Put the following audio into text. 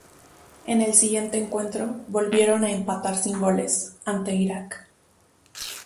En el siguiente encuentro, volvieron a empatar sin goles, ante Irak.